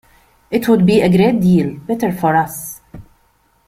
It would be a great deal better for us.